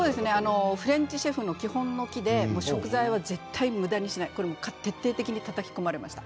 フレンチシェフの基本の「き」で食材は、むだにしないと徹底的にたたき込まれました。